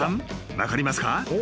分かりますか？